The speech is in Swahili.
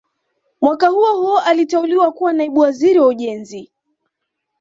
Mwaka huo huo aliteuliwa kuwa Naibu Waziri wa Ujenzi